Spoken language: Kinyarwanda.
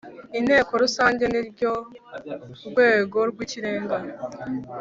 Inteko Rusange nirwo rwego rw ikirenga